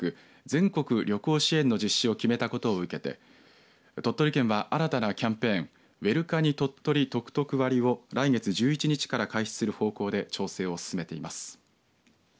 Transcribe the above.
全国旅行支援の実施を決めたことを受けて鳥取県は、新たなキャンペーンウェルカニとっとり得々割を来月１１日から開始する方向で調整を進めています。